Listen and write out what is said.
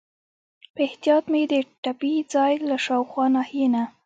په احتیاط مې د ټپي ځای له شاوخوا ناحیې نه.